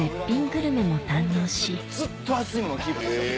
ずっと熱いままキープですよ